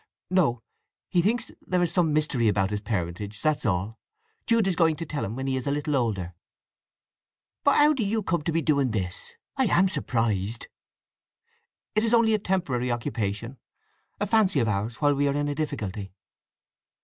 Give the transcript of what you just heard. "No. He thinks there is some mystery about his parentage—that's all. Jude is going to tell him when he is a little older." "But how do you come to be doing this? I am surprised." "It is only a temporary occupation—a fancy of ours while we are in a difficulty."